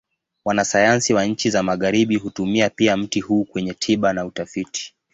Wanasayansi wa nchi za Magharibi hutumia pia mti huu kwenye tiba na utafiti.